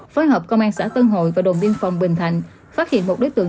phối hợp công an xã tân hội và đồn biên phòng bình thạnh phát hiện một đối tượng